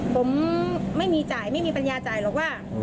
ผมไม่มีจ่ายไม่มีปัญญาจ่ายหรอกว่า